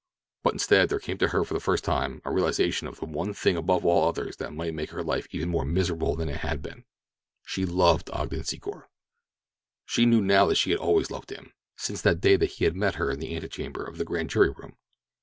But instead, there came to her for the first time a realization of the one thing above all others that might make her life even more miserable than it had been—she loved Ogden Secor. She knew now that she had always loved him—since that day that he had met her in the antechamber of the grand jury room.